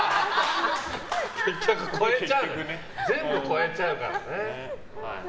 結局、全部超えちゃうからね。